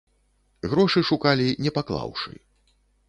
Грошы шукалі, не паклаўшы.